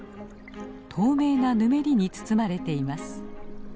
透明なぬめりに包まれています。